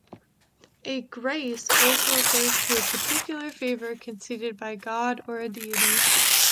A “grace” also refers to a particular favor conceded by God or a deity.